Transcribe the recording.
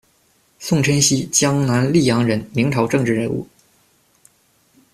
宋臣熙，江南溧阳人，明朝政治人物。